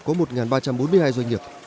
có một ba trăm bốn mươi hai doanh nghiệp